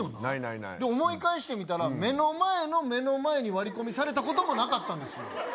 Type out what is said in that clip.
ないないないで思い返してみたら目の前の目の前に割り込みされたこともなかったんですよ